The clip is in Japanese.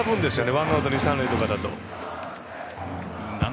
ワンアウトで一、三塁とかだと。